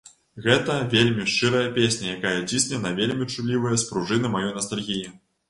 Гэта вельмі шчырая песня, якая цісне на вельмі чуллівыя спружыны маёй настальгіі.